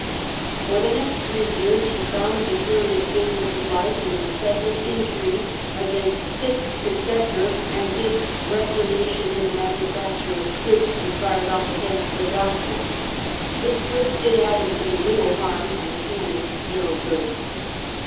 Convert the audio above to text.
For the next three yeai s he found the serious business of life in incessant intrigue against Pitt's successor, and his recreation in the manufacture of squibs to be fired off against the " Doctor ". The squibs did Addington little harm and Canning no good.